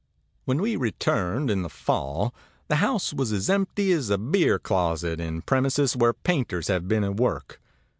When we returned in the fall, the house was as empty as a beer closet in premises where painters have been at work.